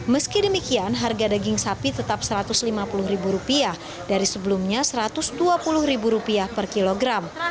meski demikian harga daging sapi tetap rp satu ratus lima puluh dari sebelumnya rp satu ratus dua puluh per kilogram